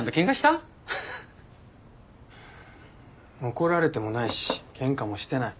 怒られてもないしケンカもしてない。